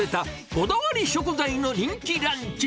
こだわり食材の人気ランチ。